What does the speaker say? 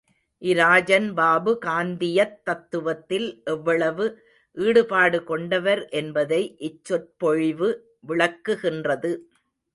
இராஜன் பாபு காந்தியத் தத்துவத்தில் எவ்வளவு ஈடுபாடு கொண்டவர் என்பதை இச்சொற்பொழிவு விளக்குகின்றது.